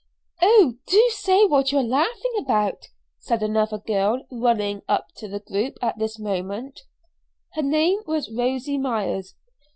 "Oh, do say what you are laughing about!" said another girl, running up to the group at this moment. Her name was Rosy Myers.